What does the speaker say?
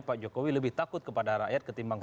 pak jokowi lebih takut kepada rakyat ketimbang